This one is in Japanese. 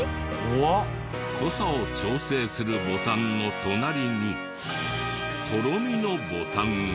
濃さを調整するボタンの隣に「とろみ」のボタンが。